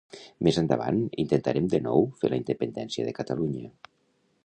Més endavant intentarem de nou fer la independència de Catalunya.